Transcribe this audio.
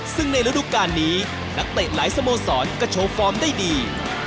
ซึ่งในฤดูการนี้นักเตะหลายสโมสรก็โชว์ฟอร์มได้ดี